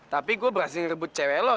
tapi gua berhasil ngerebut cewek lo kan